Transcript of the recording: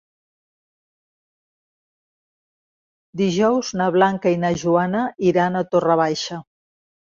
Dijous na Blanca i na Joana iran a Torre Baixa.